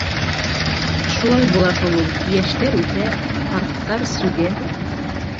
— Шулай була шул ул, йәштәр үҫә, ҡарттар сүгә!